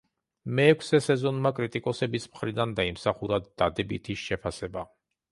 მეექვსე სეზონმა კრიტიკოსების მხრიდან დაიმსახურა დადებითი შეფასება.